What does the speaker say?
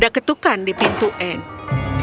ada ketukan di pintu air